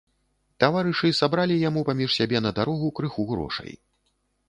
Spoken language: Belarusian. Таварышы сабралі яму паміж сябе на дарогу крыху грошай.